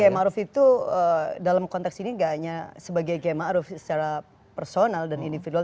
ya yaimaro itu dalam konteks ini nggak hanya sebagai yaimaro secara personal dan individual